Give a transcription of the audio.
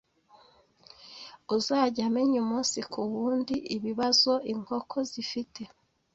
uzajya amenya umunsi ku w’undi ibibazo inkoko zifite